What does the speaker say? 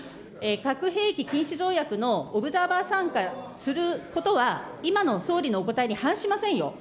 核兵器禁止条約のオブザーバー参加することは、今の総理のお答えに反しませんよ。